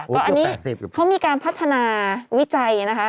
ก็อันนี้เขามีการพัฒนาวิจัยนะคะ